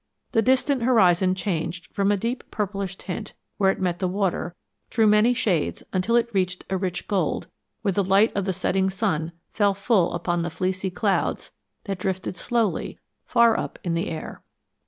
The distant horizon changed from a deep purplish tint, where it met the water, through many, shades, until it turned to rich gold, where the light of the setting sun fell full upon fleecy clouds that drifted slowly, far up in the air.